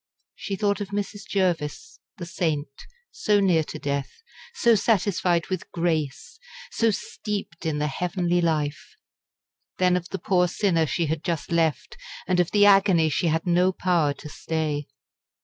She thought of Mrs. Jervis the saint so near to death, so satisfied with "grace," so steeped in the heavenly life; then of the poor sinner she had just left and of the agony she had no power to stay.